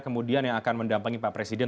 kemudian yang akan mendampingi pak presiden